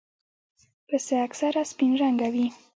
پسه اکثره سپین رنګه وي.